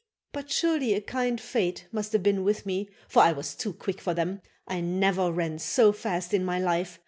But surely a kind fate must have been with me for I was too quick for them. I never ran so fast in my life.